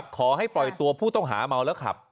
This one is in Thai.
ขอให้ปล่อยตัวผู้ต้องหาเมาแล้วขับ